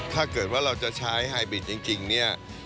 ถ้าเกิดว่าเราจะใช้ไฮบิดจริงเนี่ย